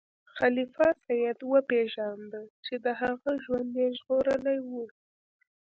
خلیفه سید وپیژنده چې د هغه ژوند یې ژغورلی و.